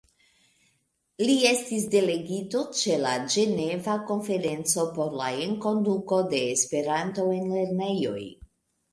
Li estis delegito ĉe la Ĝeneva konferenco por la enkonduko de Esperanto en lernejoj.